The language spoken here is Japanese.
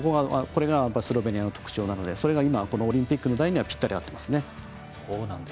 これがスロベニアの特徴なのでそれが今このオリンピックの台にはぴったり合っていますね。